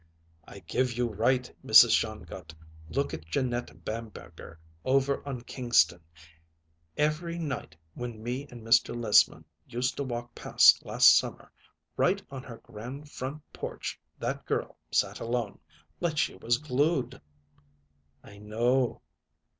"I give you right, Mrs. Shongut. Look at Jeannette Bamberger, over on Kingston; every night when me and Mr. Lissman used to walk past last summer, right on her grand front porch that girl sat alone, like she was glued." "I know."